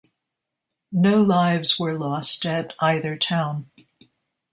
No lives were lost at either town.